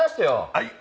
はい。